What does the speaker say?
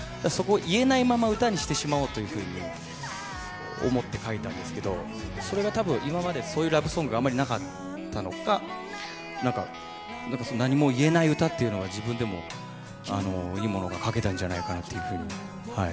そこを言えないまま歌にしてしまおうというふうに思って書いたんですけどそれが、たぶん今までそういうラブソングがあまりなかったのか何も言えない歌ってのが自分でもいいものが書けたんじゃないかなと。